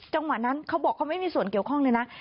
จังหวะนั้นเขาบอกเขาไม่มีส่วนเกี่ยวข้องเลยนะ